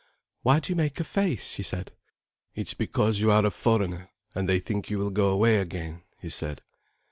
"Why do you make a face?" she said. "It's because you are a foreigner, and they think you will go away again," he said.